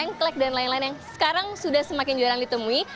tengklek dan lain lain yang sekarang sudah semakin jarang ditemui